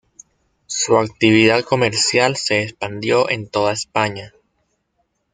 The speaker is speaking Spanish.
Su actividad comercial se expandió en toda España.